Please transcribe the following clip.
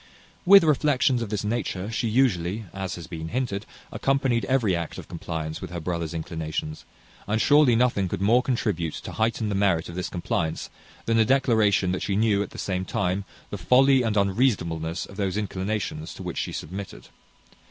With reflections of this nature she usually, as has been hinted, accompanied every act of compliance with her brother's inclinations; and surely nothing could more contribute to heighten the merit of this compliance than a declaration that she knew, at the same time, the folly and unreasonableness of those inclinations to which she submitted.